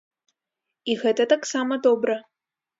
І гэта таксама добра.